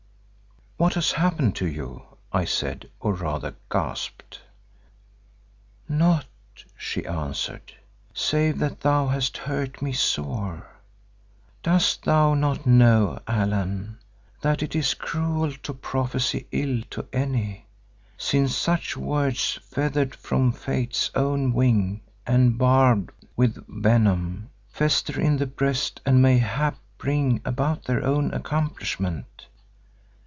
"What has happened to you?" I said, or rather gasped. "Naught," she answered, "save that thou hast hurt me sore. Dost thou not know, Allan, that it is cruel to prophesy ill to any, since such words feathered from Fate's own wing and barbed with venom, fester in the breast and mayhap bring about their own accomplishment.